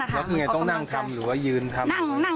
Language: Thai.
แล้วคืออย่างไรต้องนั่งทำหรือยืนทำ